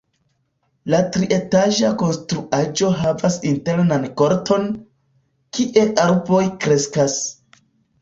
La trietaĝa konstruaĵo havas internan korton, kie arboj kreskas.